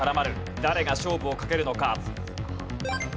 誰が勝負をかけるのか？